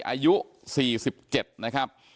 อายุ๔๗นะครับ